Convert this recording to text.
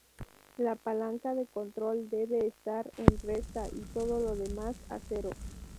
La palanca de control debe estar en Resta y todo lo demás a cero.